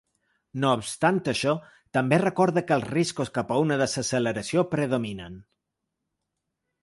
No obstant això, també recorda que els riscos cap a una desacceleració predominen.